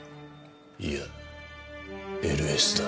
いやＬＳだ。